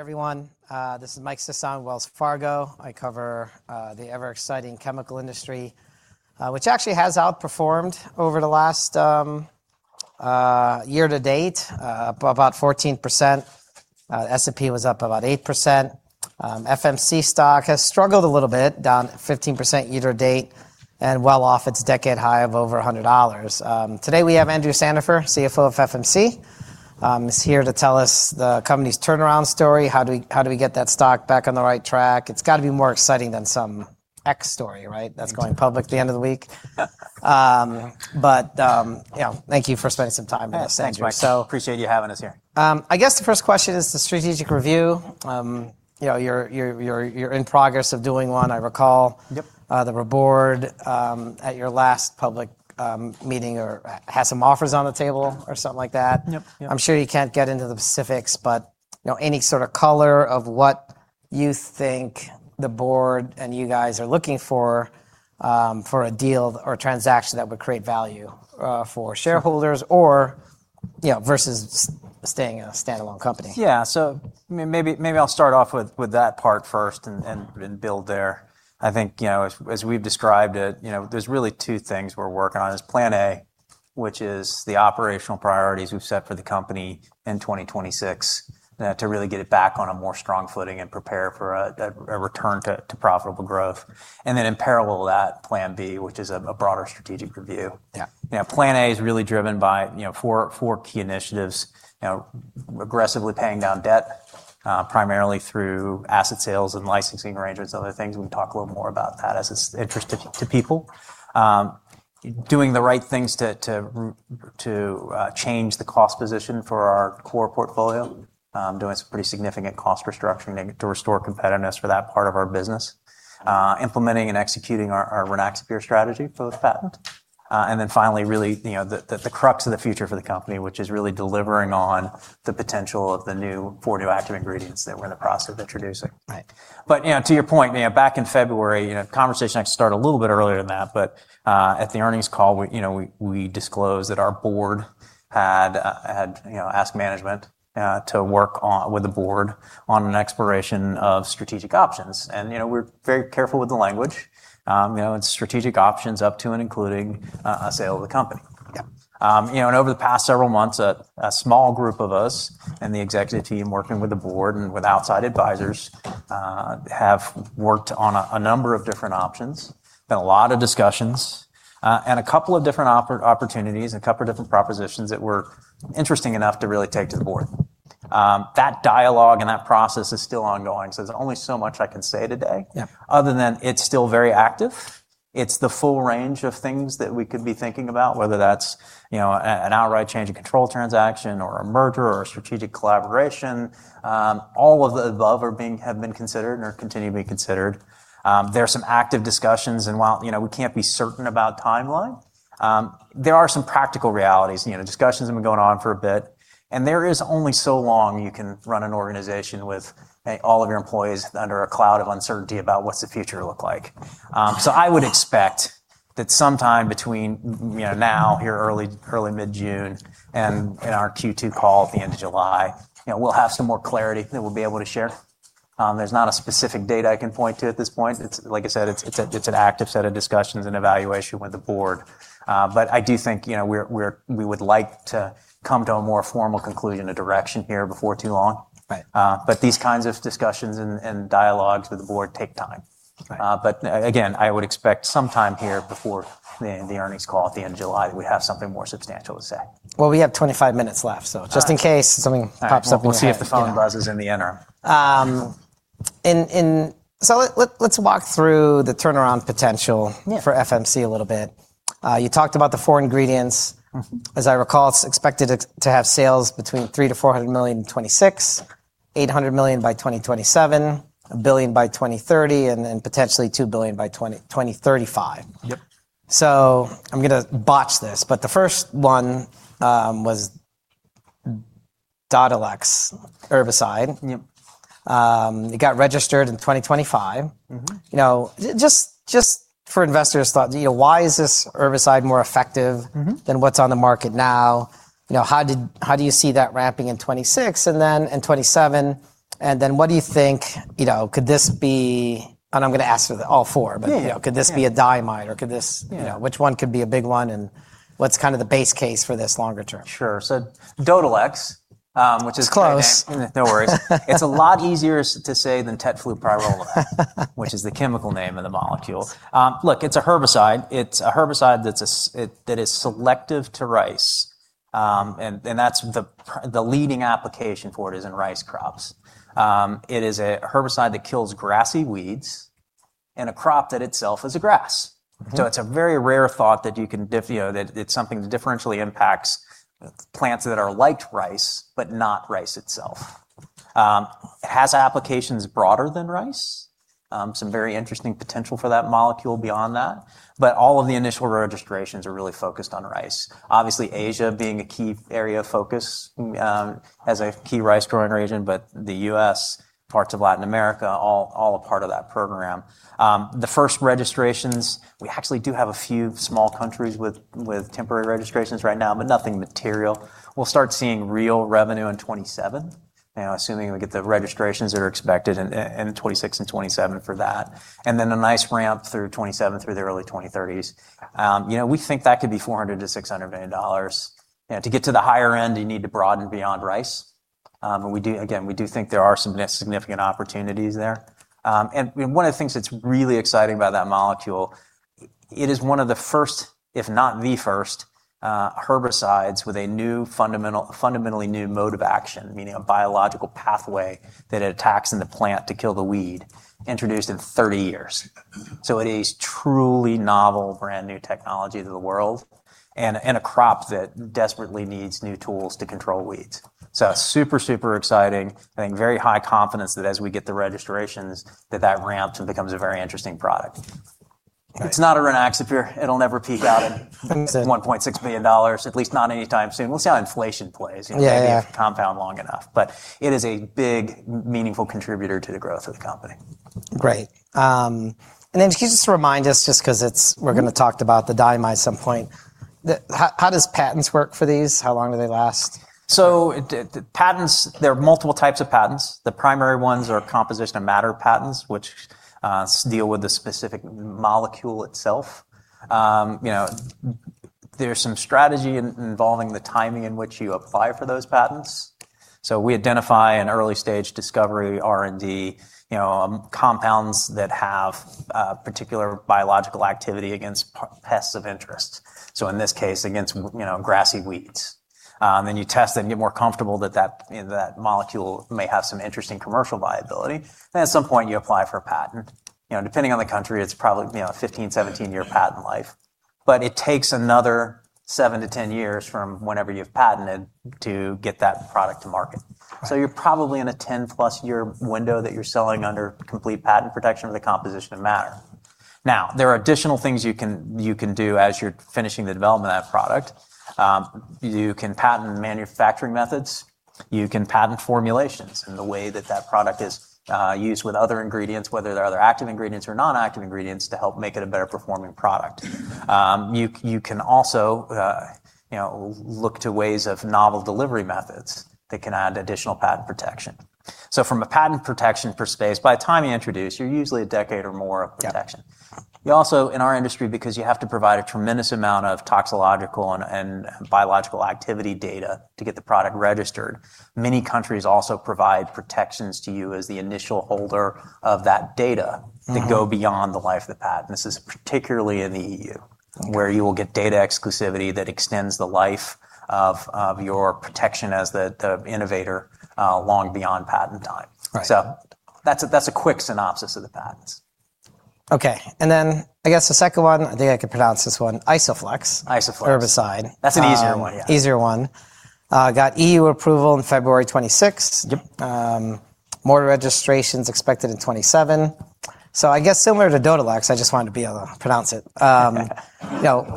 Everyone, this is Mike Sison, Wells Fargo. I cover the ever-exciting chemical industry, which actually has outperformed over the last year-to-date, up about 14%. S&P was up about 8%. FMC stock has struggled a little bit, down 15% year-to-date, and well off its decade high of over $100. Today we have Andrew Sandifer, CFO of FMC. He's here to tell us the company's turnaround story. How do we get that stock back on the right track? It's got to be more exciting than some X story, right? That's going public at the end of the week. Thank you for spending some time with us, Andrew. Yes, thanks, Mike. Appreciate you having us here. I guess the first question is the strategic review. You're in progress of doing one, I recall. Yep. The board at your last public meeting had some offers on the table. Yeah or something like that. Yep. I'm sure you can't get into the specifics, any sort of color of what you think the board and you guys are looking for a deal or transaction that would create value for shareholders or versus staying a standalone company. Yeah. Maybe I'll start off with that part first and build there. I think, as we've described it, there's really two things we're working on. There's Plan A, which is the operational priorities we've set for the company in 2026 to really get it back on a more strong footing and prepare for a return to profitable growth. Then in parallel to that, Plan B, which is a broader strategic review. Yeah. Plan A is really driven by four key initiatives. Aggressively paying down debt, primarily through asset sales and licensing arrangements, other things. We can talk a little more about that as it's interesting to people. Doing the right things to change the cost position for our core portfolio, doing some pretty significant cost restructuring to restore competitiveness for that part of our business. Implementing and executing our Rynaxypyr strategy, fully patented. Then finally, really the crux of the future for the company, which is really delivering on the potential of the four new active ingredients that we're in the process of introducing. Right. To your point, back in February, the conversation actually started a little bit earlier than that, but at the earnings call, we disclosed that our board had asked management to work with the board on an exploration of strategic options. We're very careful with the language. It's strategic options up to and including a sale of the company. Yeah. Over the past several months, a small group of us and the executive team working with the board and with outside advisors have worked on a number of different options and a lot of discussions, and a couple of different opportunities and a couple of different propositions that were interesting enough to really take to the board. That dialogue and that process is still ongoing, so there's only so much I can say today. Yeah Other than it's still very active. It's the full range of things that we could be thinking about, whether that's an outright change of control transaction or a merger or a strategic collaboration. All of the above have been considered and are continuing to be considered. There are some active discussions, and while we can't be certain about timeline, there are some practical realities. Discussions have been going on for a bit, and there is only so long you can run an organization with all of your employees under a cloud of uncertainty about what's the future look like. I would expect that sometime between now, here early, mid-June and in our Q2 call at the end of July, we'll have some more clarity that we'll be able to share. There's not a specific date I can point to at this point. Like I said, it's an active set of discussions and evaluation with the board. I do think we would like to come to a more formal conclusion, a direction here before too long. Right. These kinds of discussions and dialogues with the board take time. Right. Again, I would expect sometime here before the earnings call at the end of July, we have something more substantial to say. We have 25 minutes left, so just in case something pops up. All right. We'll see if the phone buzzes in the interim. Let's walk through the turnaround potential. Yeah For FMC a little bit. You talked about the four ingredients. As I recall, it's expected to have sales between 300 to $400 million in 2026, $800 million by 2027, $1 billion by 2030, and potentially $2 billion by 2035. Yep. I'm going to botch this, the first one was Dodhylex Herbicide. Yep. It got registered in 2025. Just for investors' thought, why is this herbicide more effective? than what's on the market now? How do you see that ramping in 2026 and then in 2027, and then what do you think could this be, and I'm going to ask for all four. Yeah -could this be a diamide or which one could be a big one, and what's the base case for this longer term? Sure. Dodhylex, which is- It's close. No worries. It's a lot easier to say than tetflupyrolimet, which is the chemical name of the molecule. It's a herbicide. It's a herbicide that is selective to rice, and the leading application for it is in rice crops. It is a herbicide that kills grassy weeds in a crop that itself is a grass. It's a very rare thought that it's something that differentially impacts plants that are like rice, but not rice itself. It has applications broader than rice. Some very interesting potential for that molecule beyond that. All of the initial registrations are really focused on rice. Asia being a key area of focus, as a key rice-growing region, but the U.S., parts of Latin America, all a part of that program. The first registrations, we actually do have a few small countries with temporary registrations right now, but nothing material. We'll start seeing real revenue in 2027. Now, assuming we get the registrations that are expected in 2026 and 2027 for that, and then a nice ramp through 2027 through the early 2030s. We think that could be $400 million-$600 million. To get to the higher end, you need to broaden beyond rice. Again, we do think there are some significant opportunities there. One of the things that's really exciting about that molecule, it is one of the first, if not the first, herbicides with a fundamentally new mode of action, meaning a biological pathway that it attacks in the plant to kill the weed, introduced in 30 years. It is truly novel, brand-new technology to the world, and a crop that desperately needs new tools to control weeds. Super, super exciting, and very high confidence that as we get the registrations, that ramps and becomes a very interesting product. It's not a Rynaxypyr here. It'll never peak out at $1.6 billion, at least not anytime soon. We'll see how inflation plays. Yeah. Maybe if we compound long enough. It is a big, meaningful contributor to the growth of the company. Great. Then can you just remind us, just because we're going to talk about the diamide at some point, how does patents work for these? How long do they last? There are multiple types of patents. The primary ones are composition of matter patents, which deal with the specific molecule itself. There's some strategy involving the timing in which you apply for those patents. We identify an early-stage discovery R&D compounds that have particular biological activity against pests of interest. In this case, against grassy weeds. You test them, you get more comfortable that that molecule may have some interesting commercial viability. At some point, you apply for a patent. Depending on the country, it's probably a 15, 17-year patent life. It takes another 7 to 10 years from whenever you've patented to get that product to market. Right. You're probably in a 10+ year window that you're selling under complete patent protection of the composition of matter. There are additional things you can do as you're finishing the development of that product. You can patent manufacturing methods. You can patent formulations and the way that that product is used with other ingredients, whether they're other active ingredients or non-active ingredients, to help make it a better performing product. You can also look to ways of novel delivery methods that can add additional patent protection. From a patent protection perspective, by the time you introduce, you're usually a decade or more of protection. Yeah. You also, in our industry, because you have to provide a tremendous amount of toxicological and biological activity data to get the product registered, many countries also provide protections to you as the initial holder of that data- that go beyond the life of the patent. This is particularly in the EU- Okay -where you will get data exclusivity that extends the life of your protection as the innovator long beyond patent time. Right. That's a quick synopsis of the patents. Okay. Then I guess the second one, I think I can pronounce this one, Isoflex. Isoflex. Herbicide. That's an easier one, yeah. Easier one. Got EU approval on February 26th. Yep. More registrations expected in 2027. I guess similar to Dodhylex, I just wanted to be able to pronounce it.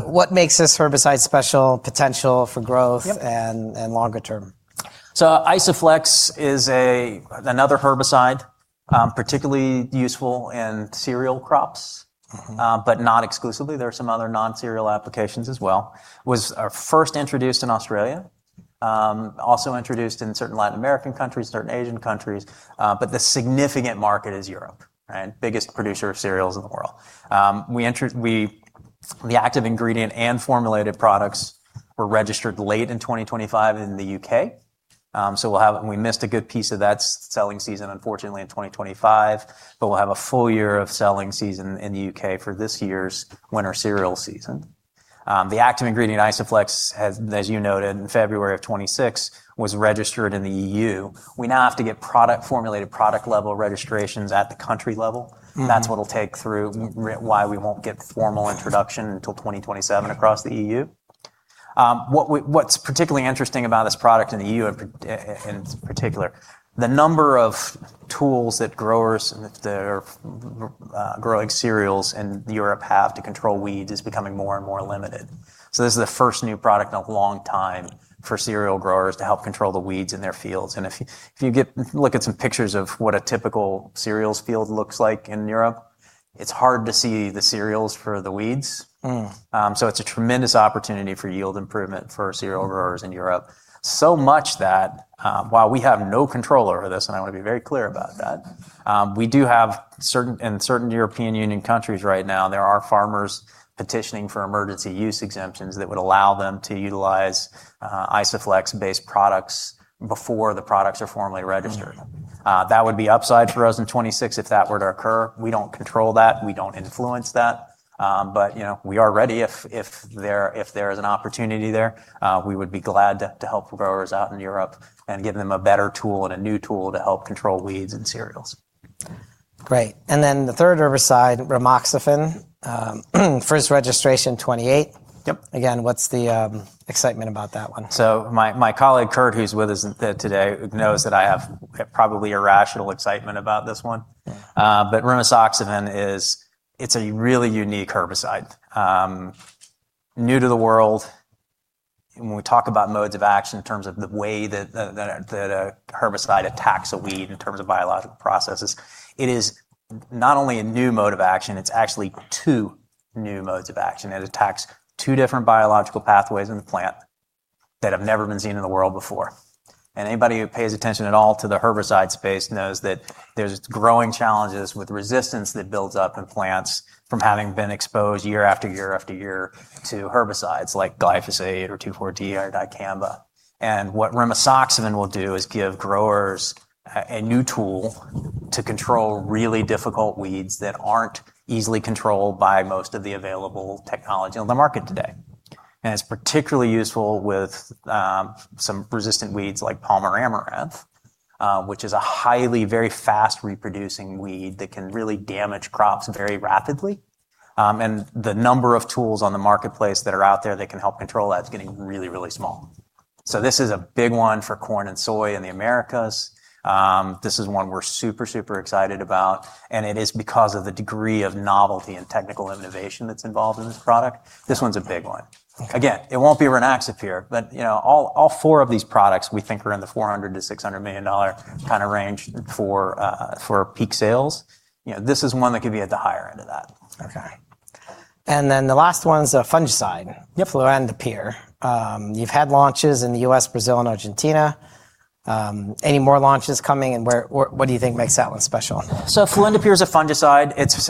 What makes this herbicide special, potential for growth? Yep Longer term? Isoflex is another herbicide, particularly useful in cereal crops. Not exclusively. There are some other non-cereal applications as well. It was first introduced in Australia. It was also introduced in certain Latin American countries, certain Asian countries. The significant market is Europe. Biggest producer of cereals in the world. The active ingredient and formulated products were registered late in 2025 in the U.K. We missed a good piece of that selling season, unfortunately, in 2025, but we'll have a full-year of selling season in the U.K. for this year's winter cereal season. The active ingredient in Isoflex, as you noted, in February of 2024, was registered in the EU. We now have to get formulated product-level registrations at the country level. That's what'll take through why we won't get formal introduction until 2027 across the EU. What's particularly interesting about this product in the EU in particular, the number of tools that growers that are growing cereals in Europe have to control weeds is becoming more and more limited. This is the first new product in a long time for cereal growers to help control the weeds in their fields. If you look at some pictures of what a typical cereals field looks like in Europe, it's hard to see the cereals for the weeds. It's a tremendous opportunity for yield improvement for cereal growers in Europe. Much that, while we have no control over this, and I want to be very clear about that, we do have in certain European Union countries right now, there are farmers petitioning for emergency use exemptions that would allow them to utilize Isoflex-based products before the products are formally registered. That would be upside for us in 2026 if that were to occur. We don't control that. We don't influence that. We are ready if there is an opportunity there, we would be glad to help growers out in Europe and give them a better tool and a new tool to help control weeds and cereals. Great. Then the third herbicide, rimisoxafen. First registration 2028. Yep. Again, what's the excitement about that one? My colleague, [Curt], who's with us today, knows that I have probably irrational excitement about this one. Rimisoxafen, it's a really unique herbicide. New to the world. When we talk about modes of action in terms of the way that a herbicide attacks a weed in terms of biological processes, it is not only a new mode of action, it's actually two new modes of action. It attacks two different biological pathways in the plant that have never been seen in the world before. Anybody who pays attention at all to the herbicide space knows that there's growing challenges with resistance that builds up in plants from having been exposed year after year to herbicides like glyphosate or 2,4-D or dicamba. What rimisoxafen will do is give growers a new tool to control really difficult weeds that aren't easily controlled by most of the available technology on the market today. It's particularly useful with some resistant weeds like Palmer amaranth, which is a highly, very fast-reproducing weed that can really damage crops very rapidly. The number of tools on the marketplace that are out there that can help control that is getting really small. This is a big one for corn and soy in the Americas. This is one we're super excited about, and it is because of the degree of novelty and technical innovation that's involved in this product. This one's a big one. Again, it won't be Rynaxypyr, but all four of these products we think are in the $400 million-$600 million kind of range for peak sales. This is one that could be at the higher end of that. Okay. The last one's a fungicide. Yep Fluindapyr. You've had launches in the U.S., Brazil, and Argentina. Any more launches coming, and what do you think makes that one special? Fluindapyr is a fungicide. It's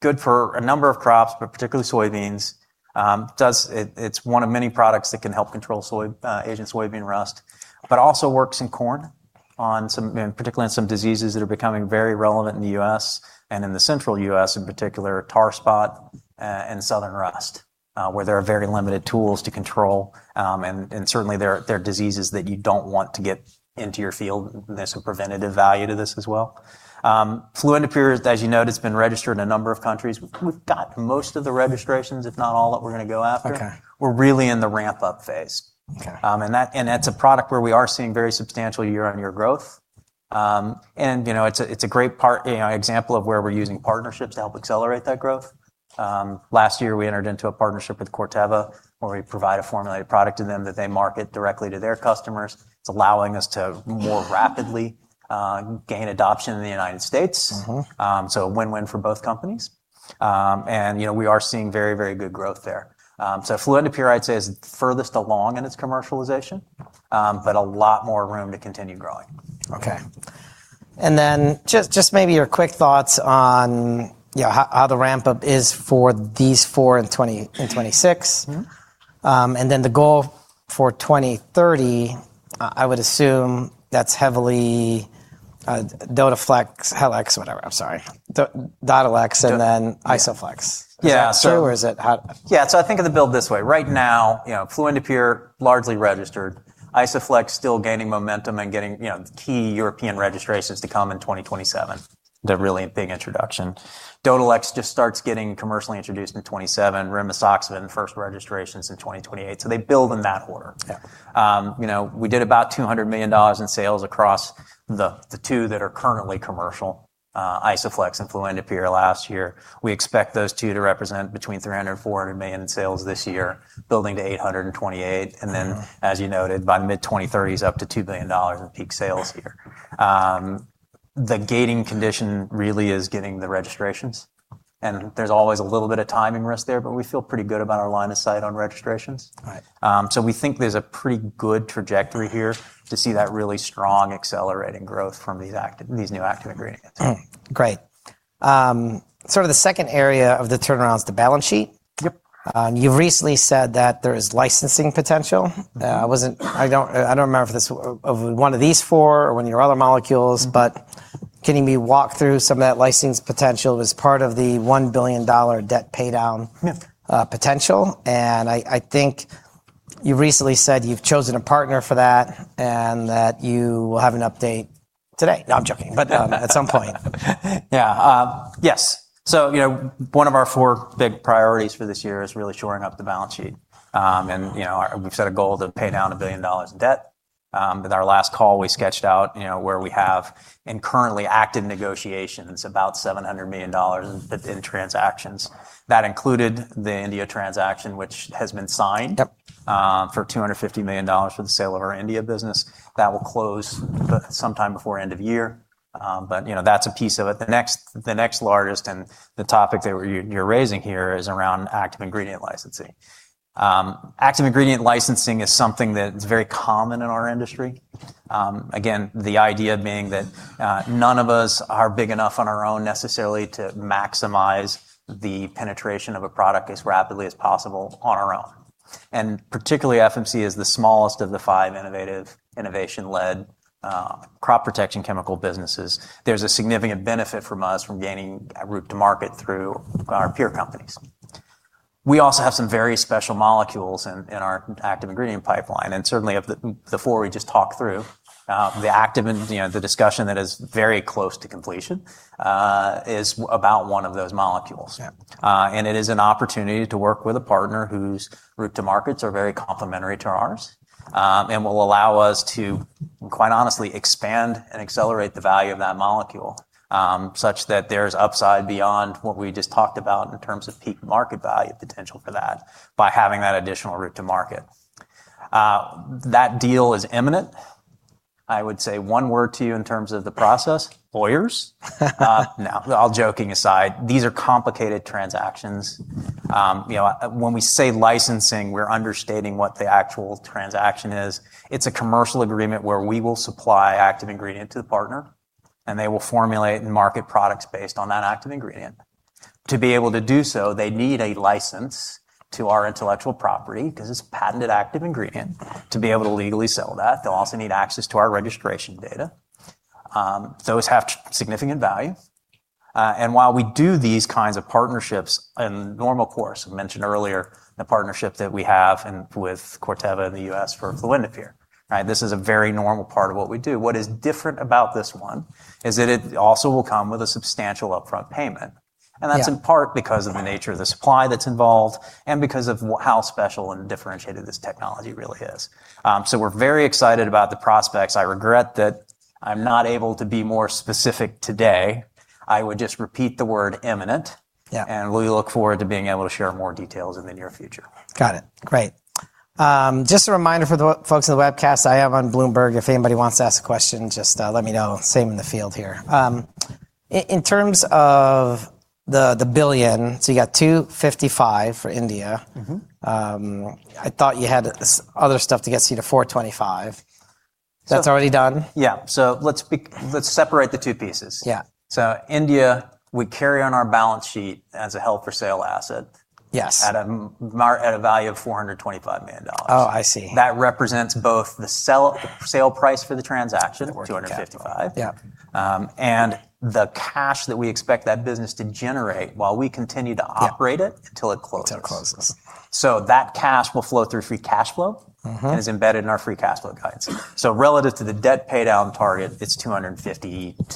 good for a number of crops, but particularly soybeans. It's one of many products that can help control Asian soybean rust, but also works in corn, particularly on some diseases that are becoming very relevant in the U.S. and in the central U.S. in particular, tar spot and southern rust, where there are very limited tools to control. Certainly they're diseases that you don't want to get into your field, and there's a preventative value to this as well. Fluindapyr, as you noted, it's been registered in a number of countries. We've got most of the registrations, if not all that we're going to go after. Okay. We're really in the ramp-up phase. Okay. That's a product where we are seeing very substantial year-on-year growth. It's a great example of where we're using partnerships to help accelerate that growth. Last year, we entered into a partnership with Corteva, where we provide a formulated product to them that they market directly to their customers. It's allowing us to more rapidly gain adoption in the U.S. A win-win for both companies. We are seeing very good growth there. Fluindapyr I'd say is furthest along in its commercialization, but a lot more room to continue growing. Okay. Just maybe your quick thoughts on how the ramp-up is for these four in 2026. The goal for 2030, I would assume that's heavily Dodhylex and then Isoflex. Yeah. Is that true? Yeah. I think of the build this way. Right now, fluindapyr, largely registered. Isoflex still gaining momentum and getting the key European registrations to come in 2027, the really big introduction. Dodhylex just starts getting commercially introduced in 2027, rimisoxafen, first registration's in 2028. They build in that order. Yeah. We did about $200 million in sales across the two that are currently commercial, Isoflex and fluindapyr, last year. We expect those two to represent between $300 million and $400 million in sales this year, building to $800 million in 2028. Then, as you noted, by mid-2030s, up to $2 billion in peak sales here. The gating condition really is getting the registrations, and there's always a little bit of timing risk there, but we feel pretty good about our line of sight on registrations. Right. We think there's a pretty good trajectory here to see that really strong accelerating growth from these new active ingredients. Great. Sort of the second area of the turnaround is the balance sheet. Yep. You recently said that there is licensing potential. I don't remember if this is one of these four or one of your other molecules, but can you maybe walk through some of that licensing potential as part of the $1 billion debt paydown- Yeah -potential? I think you recently said you've chosen a partner for that and that you will have an update today. No, I'm joking, but at some point. Yeah. Yes. One of our four big priorities for this year is really shoring up the balance sheet. We've set a goal to pay down $1 billion in debt. With our last call, we sketched out where we have in currently active negotiations about $700 million in transactions. That included the India transaction, which has been signed- Yep for $250 million for the sale of our India business. That will close sometime before end of year. That's a piece of it. The next largest and the topic that you're raising here is around active ingredient licensing. Active ingredient licensing is something that is very common in our industry. Again, the idea being that none of us are big enough on our own necessarily to maximize the penetration of a product as rapidly as possible on our own. Particularly FMC is the smallest of the five innovation-led crop protection chemical businesses. There's a significant benefit from us from gaining a route to market through our peer companies. We also have some very special molecules in our active ingredient pipeline, and certainly of the four we just talked through, the active in the discussion that is very close to completion is about one of those molecules. Yeah. It is an opportunity to work with a partner whose route to markets are very complementary to ours and will allow us to, quite honestly, expand and accelerate the value of that molecule, such that there's upside beyond what we just talked about in terms of peak market value potential for that by having that additional route to market. That deal is imminent. I would say one word to you in terms of the process, lawyers. All joking aside, these are complicated transactions. When we say licensing, we're understating what the actual transaction is. It's a commercial agreement where we will supply active ingredient to the partner, and they will formulate and market products based on that active ingredient. To be able to do so, they need a license to our intellectual property, because it's a patented active ingredient, to be able to legally sell that. They'll also need access to our registration data. Those have significant value. While we do these kinds of partnerships in normal course, I mentioned earlier the partnership that we have with Corteva in the U.S. for fluindapyr, this is a very normal part of what we do. What is different about this one is that it also will come with a substantial upfront payment. Yeah. That's in part because of the nature of the supply that's involved, and because of how special and differentiated this technology really is. We're very excited about the prospects. I regret that I'm not able to be more specific today. I would just repeat the word imminent. Yeah. We look forward to being able to share more details in the near future. Got it. Great. Just a reminder for the folks on the webcast, I am on Bloomberg. If anybody wants to ask a question, just let me know. Same in the field here. In terms of the billion, you got $255 for India. I thought you had other stuff to get you to $425 million. That's already done? Yeah, let's separate the two pieces. Yeah. India, we carry on our balance sheet as a held for sale asset. Yes at a value of $425 million. Oh, I see. That represents both the sale price for the transaction. The working capital 255. Yeah. The cash that we expect that business to generate while we continue to operate it. Yeah until it closes. Till it closes. That cash will flow through free cash flow. Is embedded in our free cash flow guides. Relative to the debt pay down target, it's $250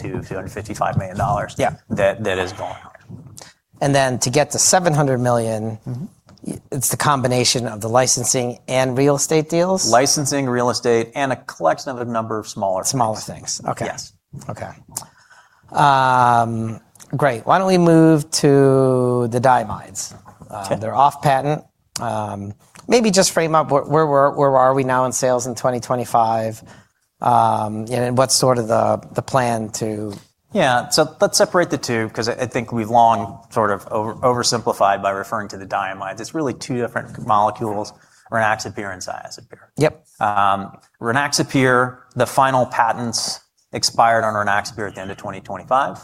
million-$255 million. Yeah That is going out. To get to $700 million. it's the combination of the licensing and real estate deals? Licensing, real estate, and a collection of a number of smaller things. Smaller things. Okay. Yes. Okay. Great. Why don't we move to the diamides? Okay. They're off patent. Maybe just frame up where are we now in sales in 2025, and what's sort of the plan to Yeah. Let's separate the two, because I think we've long sort of oversimplified by referring to the diamides. It's really two different molecules, Rynaxypyr and Cyazypyr. Yep. Rynaxypyr, the final patents expired on Rynaxypyr at the end of 2025,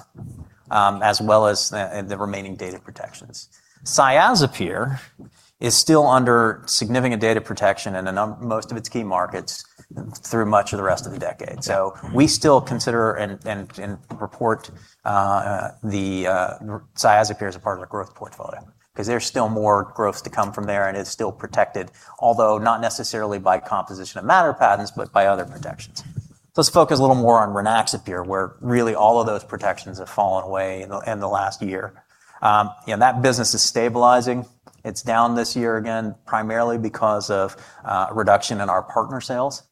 as well as the remaining data protections. Cyazypyr is still under significant data protection in most of its key markets through much of the rest of the decade. We still consider and report the Cyazypyr as a part of the growth portfolio, because there's still more growth to come from there and it's still protected, although not necessarily by composition of matter patents, but by other protections. Let's focus a little more on Rynaxypyr, where really all of those protections have fallen away in the last year. That business is stabilizing. It's down this year again, primarily because of a reduction in our partner sales.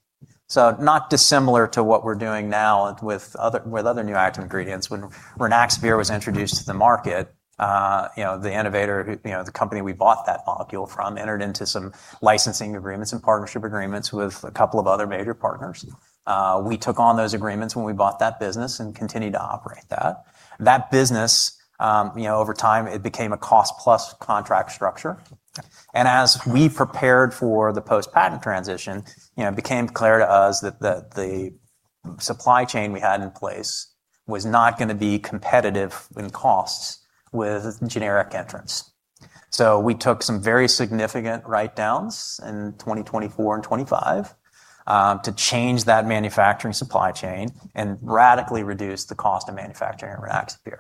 Not dissimilar to what we're doing now with other new active ingredients. When Rynaxypyr was introduced to the market, the innovator, the company we bought that molecule from, entered into some licensing agreements and partnership agreements with a couple of other major partners. We took on those agreements when we bought that business and continued to operate that. That business, over time it became a cost-plus contract structure. As we prepared for the post-patent transition, it became clear to us that the supply chain we had in place was not going to be competitive in costs with generic entrants. We took some very significant write downs in 2024 and 2025 to change that manufacturing supply chain and radically reduce the cost of manufacturing Rynaxypyr.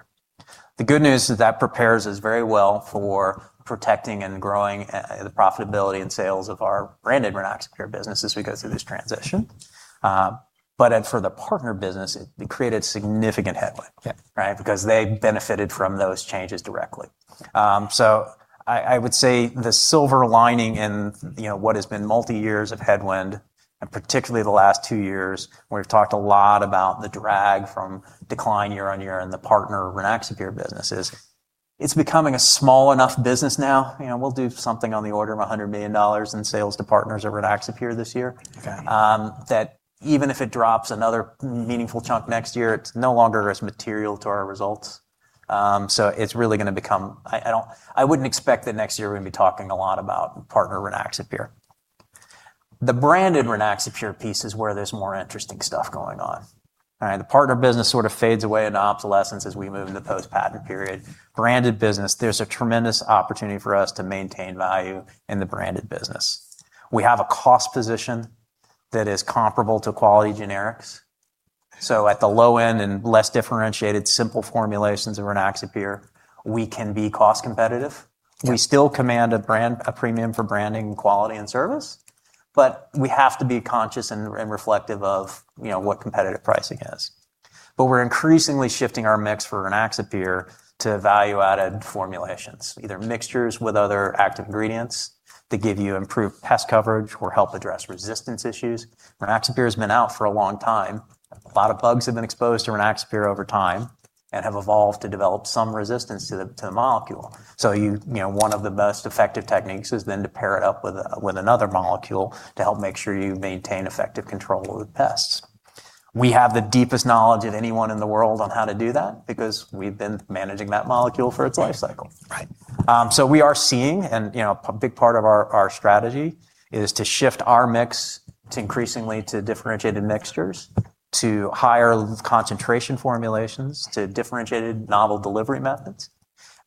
The good news is that prepares us very well for protecting and growing the profitability and sales of our branded Rynaxypyr business as we go through this transition. For the partner business, it created significant headwind. Yeah. They benefited from those changes directly. I would say the silver lining in what has been multi-years of headwind, and particularly the last two years, where we've talked a lot about the drag from decline year-on-year in the partner Rynaxypyr business, is it's becoming a small enough business now, we'll do something on the order of $100 million in sales to partners of Rynaxypyr this year. Okay That even if it drops another meaningful chunk next year, it's no longer as material to our results. It's really going to become, I wouldn't expect that next year we're going to be talking a lot about partner Rynaxypyr. The branded Rynaxypyr piece is where there's more interesting stuff going on. The partner business sort of fades away into obsolescence as we move into post-patent period. Branded business, there's a tremendous opportunity for us to maintain value in the branded business. We have a cost position that is comparable to quality generics. At the low end and less differentiated, simple formulations of Rynaxypyr, we can be cost competitive. Yeah. We still command a premium for branding, quality, and service, but we have to be conscious and reflective of what competitive pricing is. We're increasingly shifting our mix for Rynaxypyr to value-added formulations, either mixtures with other active ingredients that give you improved pest coverage or help address resistance issues. Rynaxypyr's been out for a long time. A lot of bugs have been exposed to Rynaxypyr over time and have evolved to develop some resistance to the molecule. One of the best effective techniques is then to pair it up with another molecule to help make sure you maintain effective control over the pests. We have the deepest knowledge of anyone in the world on how to do that because we've been managing that molecule for its life cycle. Right. We are seeing, a big part of our strategy is to shift our mix to increasingly to differentiated mixtures, to higher concentration formulations, to differentiated novel delivery methods.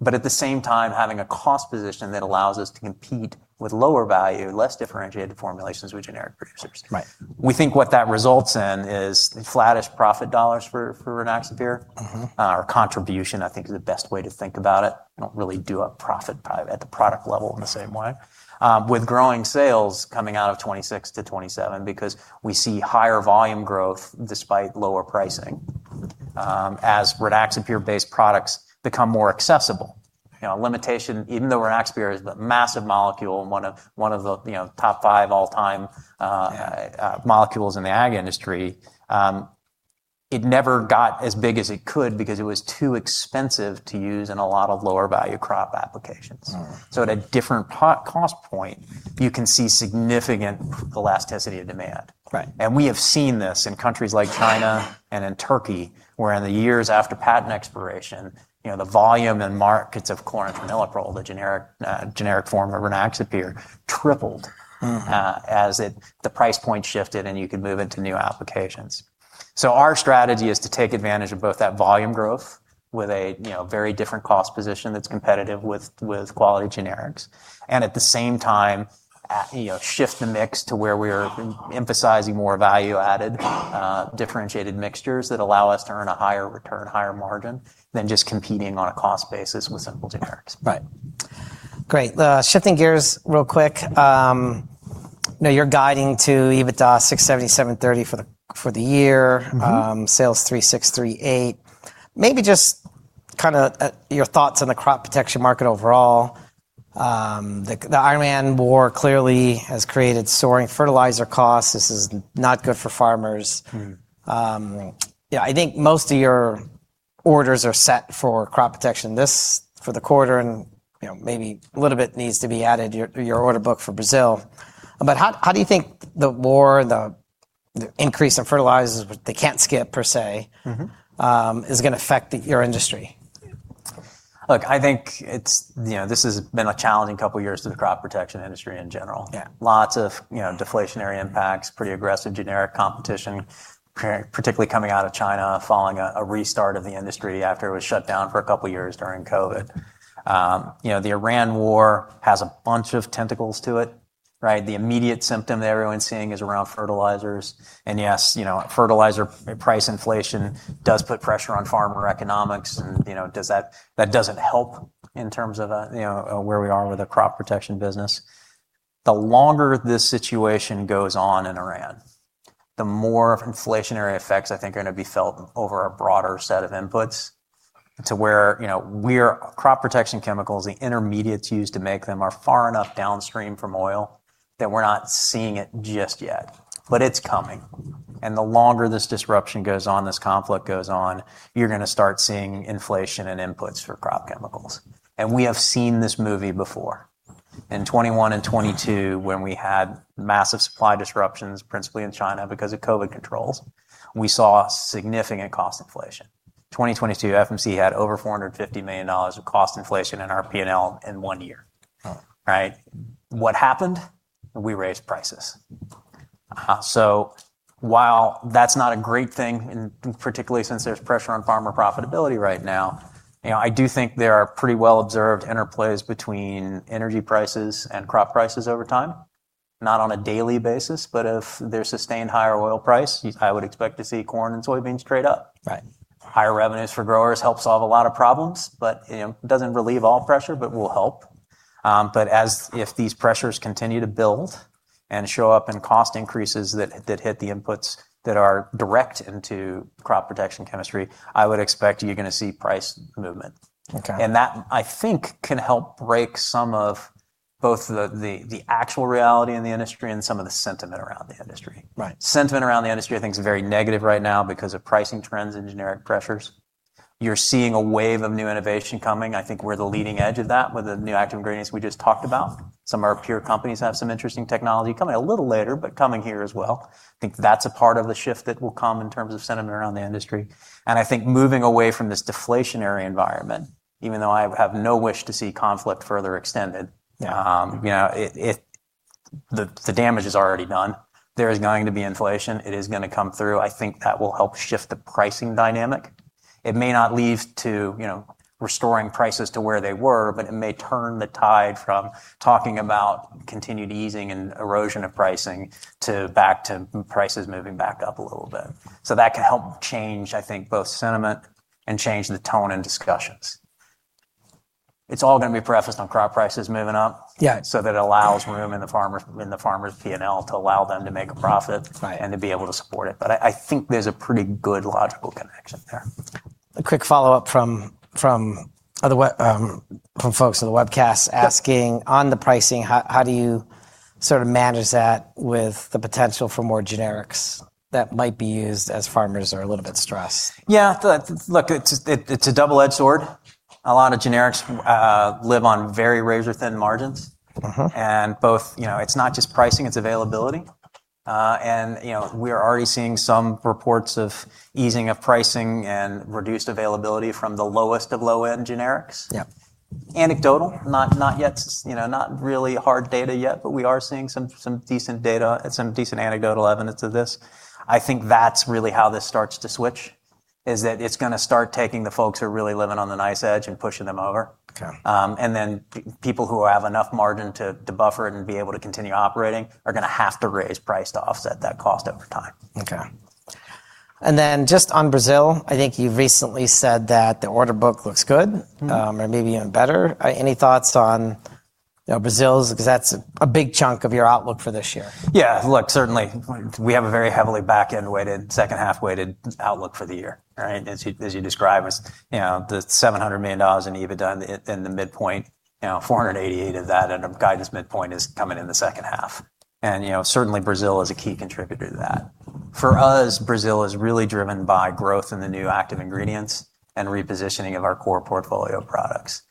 At the same time, having a cost position that allows us to compete with lower value, less differentiated formulations with generic producers. Right. We think what that results in is flattish profit dollars for Rynaxypyr. Contribution, I think is the best way to think about it. We don't really do a profit at the product level in the same way. With growing sales coming out of 2026 to 2027 because we see higher volume growth despite lower pricing as Rynaxypyr-based products become more accessible. A limitation, even though Rynaxypyr is a massive molecule and one of the top five all-time- Yeah molecules in the ag industry, it never got as big as it could because it was too expensive to use in a lot of lower value crop applications. At a different cost point, you can see significant elasticity of demand. Right. We have seen this in countries like China and in Turkey, where in the years after patent expiration, the volume and markets of chlorantraniliprole, the generic form of Rynaxypyr, tripled as the price point shifted and you could move into new applications. Our strategy is to take advantage of both that volume growth with a very different cost position that's competitive with quality generics. At the same time, shift the mix to where we're emphasizing more value-added differentiated mixtures that allow us to earn a higher return, higher margin than just competing on a cost basis with simple generics. Right. Great. Shifting gears real quick. You're guiding to EBITDA $677.30 for the year. Sales $3,638. Maybe just kind of your thoughts on the crop protection market overall. The Iran war clearly has created soaring fertilizer costs. This is not good for farmers. Yeah, I think most of your orders are set for crop protection. This for the quarter and maybe a little bit needs to be added, your order book for Brazil. How do you think the war, the increase in fertilizers, but they can't skip per se is going to affect your industry? Look, I think this has been a challenging couple of years for the crop protection industry in general. Yeah. Lots of deflationary impacts, pretty aggressive generic competition, particularly coming out of China following a restart of the industry after it was shut down for a couple of years during COVID. The Iran war has a bunch of tentacles to it, right? The immediate symptom that everyone's seeing is around fertilizers. Yes, fertilizer price inflation does put pressure on farmer economics and that doesn't help in terms of where we are with the crop protection business. The longer this situation goes on in Iran, the more inflationary effects I think are going to be felt over a broader set of inputs to where crop protection chemicals, the intermediates used to make them, are far enough downstream from oil that we're not seeing it just yet, but it's coming. The longer this disruption goes on, this conflict goes on, you're going to start seeing inflation in inputs for crop chemicals. We have seen this movie before. In 2021 and 2022, when we had massive supply disruptions, principally in China because of COVID controls, we saw significant cost inflation. 2022, FMC had over $450 million of cost inflation in our P&L in one year. Oh. Right? What happened? We raised prices. While that's not a great thing, particularly since there's pressure on farmer profitability right now, I do think there are pretty well observed interplays between energy prices and crop prices over time. Not on a daily basis, but if there's sustained higher oil price- Yes I would expect to see corn and soybeans trade up. Right. Higher revenues for growers help solve a lot of problems, but it doesn't relieve all pressure, but will help. If these pressures continue to build and show up in cost increases that hit the inputs that are direct into crop protection chemistry, I would expect you're going to see price movement. Okay. That, I think, can help break some of both the actual reality in the industry and some of the sentiment around the industry. Right. Sentiment around the industry I think is very negative right now because of pricing trends and generic pressures. You're seeing a wave of new innovation coming. I think we're the leading edge of that with the new active ingredients we just talked about. Some of our peer companies have some interesting technology coming a little later, but coming here as well. I think that's a part of the shift that will come in terms of sentiment around the industry. I think moving away from this deflationary environment, even though I have no wish to see conflict further extended. Yeah The damage is already done. There is going to be inflation. It is going to come through. I think that will help shift the pricing dynamic. It may not lead to restoring prices to where they were, but it may turn the tide from talking about continued easing and erosion of pricing back to prices moving back up a little bit. That can help change, I think, both sentiment and change the tone in discussions. It's all going to be prefaced on crop prices moving up. Yeah That it allows room in the farmers' P&L to allow them to make a profit. Right To be able to support it. I think there's a pretty good logical connection there. A quick follow-up from folks on the webcast asking on the pricing, how do you manage that with the potential for more generics that might be used as farmers are a little bit stressed? Yeah. Look, it's a double-edged sword. A lot of generics live on very razor-thin margins. It's not just pricing, it's availability. We are already seeing some reports of easing of pricing and reduced availability from the lowest of low-end generics. Yeah. Anecdotal, not really hard data yet, we are seeing some decent data and some decent anecdotal evidence of this. I think that's really how this starts to switch, is that it's going to start taking the folks who are really living on the nice edge and pushing them over. Okay. People who have enough margin to buffer it and be able to continue operating are going to have to raise price to offset that cost over time. Okay. Just on Brazil, I think you've recently said that the order book looks good. Maybe even better. Any thoughts on Brazil, because that's a big chunk of your outlook for this year? Certainly. We have a very heavily back-end weighted, second half weighted outlook for the year, right? As you described, was the $700 million in EBITDA in the midpoint, $488 million of that end of guidance midpoint is coming in the second half. Certainly Brazil is a key contributor to that. For us, Brazil is driven by growth in the new active ingredients and repositioning of our core portfolio products.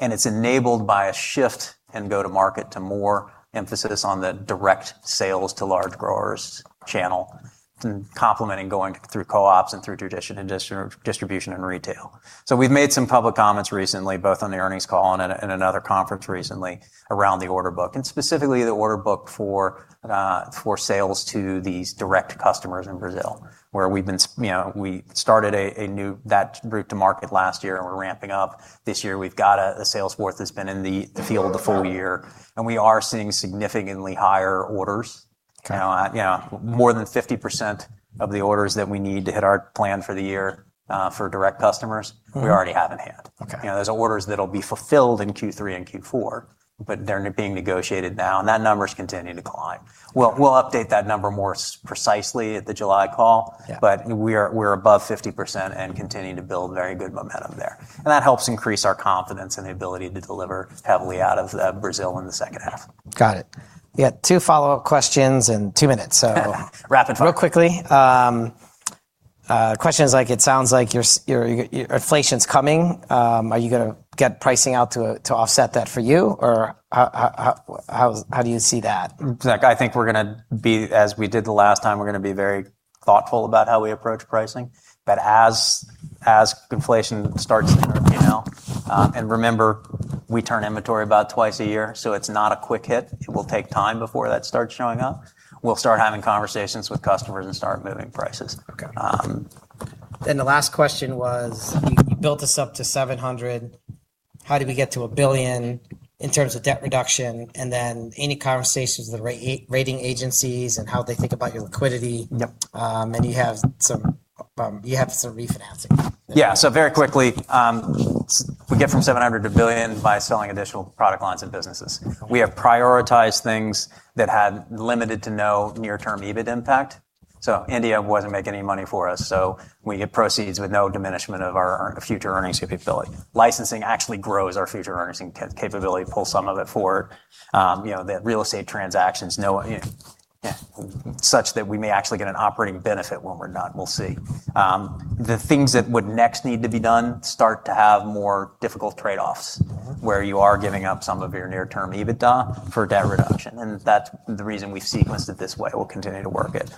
It's enabled by a shift in go-to-market to more emphasis on the direct sales to large growers channel and complementing going through co-ops and through distribution and retail. We've made some public comments recently, both on the earnings call and in another conference recently around the order book, and specifically the order book for sales to these direct customers in Brazil, where we started that route to market last year and we're ramping up. This year we've got a sales force that's been in the field the full-year, we are seeing significantly higher orders. Okay. More than 50% of the orders that we need to hit our plan for the year for direct customers. we already have in hand. Okay. Those are orders that'll be fulfilled in Q3 and Q4. They're being negotiated now, and that number's continuing to climb. We'll update that number more precisely at the July call. Yeah We're above 50% and continuing to build very good momentum there. That helps increase our confidence in the ability to deliver heavily out of Brazil in the second half. Got it. You got two follow-up questions and two minutes. Rapid fire real quickly. Question is, it sounds like inflation's coming. Are you going to get pricing out to offset that for you? How do you see that? Mike, I think we're going to be, as we did the last time, we're going to be very thoughtful about how we approach pricing, but as inflation starts to enter and remember, we turn inventory about twice a year, so it's not a quick hit. It will take time before that starts showing up. We'll start having conversations with customers and start moving prices. Okay. The last question was, you built this up to $700 million. How do we get to $1 billion in terms of debt reduction? Any conversations with the rating agencies and how they think about your liquidity? Yep. You have some refinancing. Yeah. Very quickly, we get from $700 million to billion by selling additional product lines and businesses. We have prioritized things that had limited to no near term EBIT impact. India wasn't making any money for us, so we get proceeds with no diminishment of our future earnings capability. Licensing actually grows our future earnings capability, pull some of it forward. The real estate transactions, such that we may actually get an operating benefit when we're done. We'll see. The things that would next need to be done start to have more difficult trade-offs. where you are giving up some of your near term EBITDA for debt reduction, and that's the reason we've sequenced it this way. We'll continue to work it.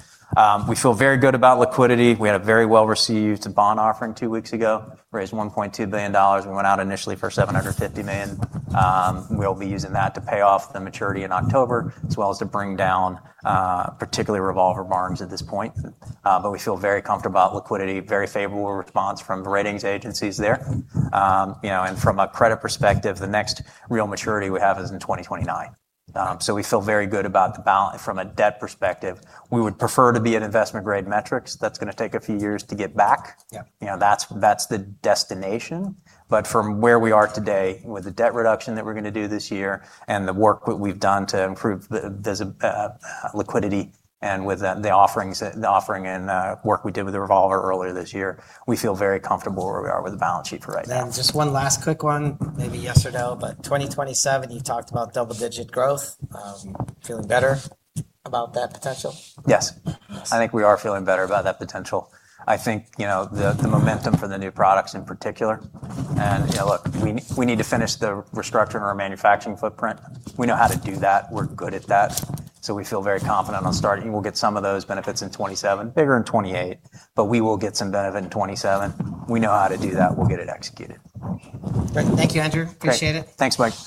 We feel very good about liquidity. We had a very well-received bond offering two weeks ago, raised $1.2 billion. We went out initially for $750 million. We'll be using that to pay off the maturity in October, as well as to bring down particularly revolver balances at this point. We feel very comfortable about liquidity, very favorable response from the ratings agencies there. From a credit perspective, the next real maturity we have is in 2029. We feel very good about the balance from a debt perspective. We would prefer to be in investment grade metrics. That's going to take a few years to get back. Yeah. That's the destination. From where we are today with the debt reduction that we're going to do this year and the work that we've done to improve the liquidity and with the offering and work we did with the revolver earlier this year, we feel very comfortable where we are with the balance sheet for right now. Just one last quick one, maybe yes or no, 2027, you talked about double-digit growth. Feeling better about that potential? Yes. Yes. I think we are feeling better about that potential. I think the momentum for the new products in particular, and look, we need to finish the restructuring of our manufacturing footprint. We know how to do that. We're good at that. We feel very confident on starting. We'll get some of those benefits in 2027, bigger in 2028, we will get some benefit in 2027. We know how to do that. We'll get it executed. Great. Thank you, Andrew. Great. Appreciate it. Thanks, Mike.